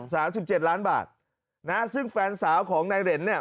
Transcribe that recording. สามสิบเจ็ดล้านบาทนะฮะซึ่งแฟนสาวของนายเหรนเนี่ย